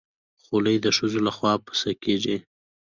خولۍ د ښځو لخوا پسه کېږي.